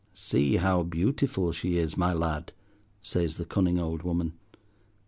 "See how beautiful she is, my lad," says the cunning old woman.